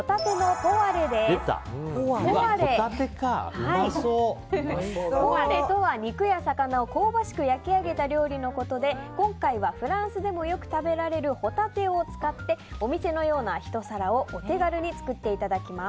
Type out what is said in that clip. ポワレとは肉や魚を香ばしく焼き上げた料理のことで、今回はフランスでもよく食べられるホタテを使ってお店のようなひと皿をお手軽に作っていただきます。